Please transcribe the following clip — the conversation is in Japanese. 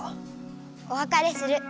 おわかれする。